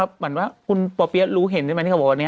เหมือนว่าคุณป่อเปี๊ยะรู้เห็นใช่ไหมที่เขาบอกว่า